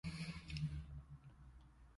專心做好保安送貨，唔好理呢啲野